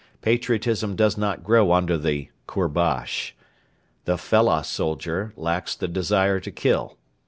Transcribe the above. Patriotism does not grow under the 'Kourbash.' The fellah soldier lacks the desire to kill.